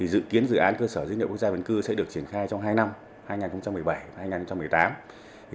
dự kiến dự án cơ sở dân dự quốc gia vấn cư sẽ được triển khai trong hai năm hai nghìn một mươi bảy và hai nghìn một mươi tám